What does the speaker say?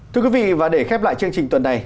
thưa quý vị và để khép lại chương trình tuần này